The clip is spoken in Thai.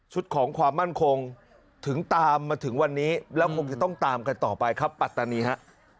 ของความมั่นคงถึงตามมาถึงวันนี้แล้วคงจะต้องตามกันต่อไปครับปัตตานีฮะ